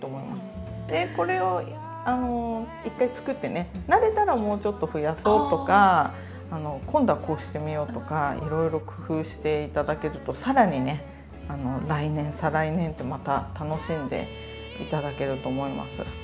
でこれを１回作ってね慣れたらもうちょっと増やそうとか今度はこうしてみようとかいろいろ工夫して頂けるとさらにね来年再来年とまた楽しんで頂けると思います。